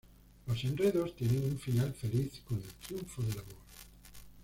Los enredos tienen un final feliz con el triunfo del amor.